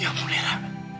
ya ampun era